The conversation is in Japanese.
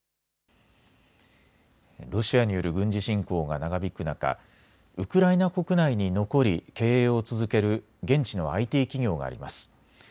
ロシアによる軍事侵攻が長引く中、ウクライナ国内に残り経営を続ける現地のＩＴ企業があります。